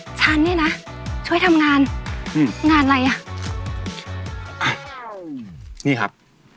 ฉันเนี่ยนะช่วยทำงานอืมงานอะไรอ่ะนี่ครับ